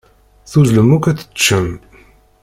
Tuzzlem-d akk ad teččem.